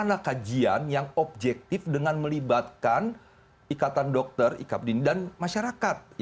dan kemudian aku kanlah kajian yang objektif dengan melibatkan ikatan dokter ikat pendidikan dan masyarakat